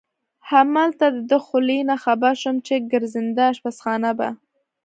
همالته د ده له خولې نه خبر شوم چې ګرځنده اشپزخانه به.